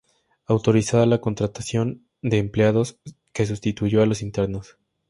Autorizada la contratación de empleados, que sustituyó a los internos.